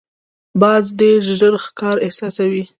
باز ډېر ژر ښکار احساسوي